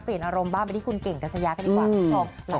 เปลี่ยนอารมณ์บ้างไปที่คุณเก่งกันชะยะกันดีกว่า